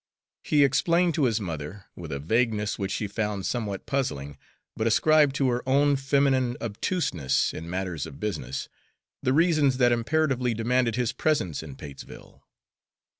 He explained to his mother with a vagueness which she found somewhat puzzling, but ascribed to her own feminine obtuseness in matters of business the reasons that imperatively demanded his presence in Patesville.